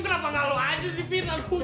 kenapa nggak lo aja sih fir